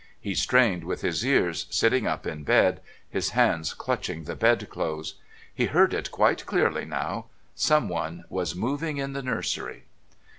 He strained with his ears, sitting up in bed, his hands clutching the bed clothes. He heard it quite clearly now. Someone was moving in the nursery.